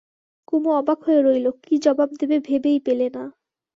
কুমু অবাক হয়ে রইল, কী জবাব দেবে ভেবেই পেলে না।